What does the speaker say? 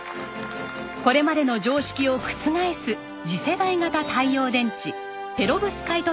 これまでの常識を覆す次世代型太陽電池ペロブスカイト